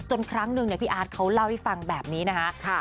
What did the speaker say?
ครั้งหนึ่งพี่อาร์ตเขาเล่าให้ฟังแบบนี้นะคะ